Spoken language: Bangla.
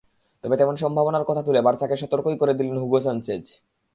তবে তেমন সম্ভাবনার কথা তুলে বার্সাকে সতর্কই করে দিলেন হুগো সানচেজ।